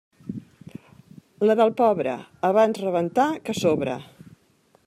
La del pobre: abans rebentar que sobre.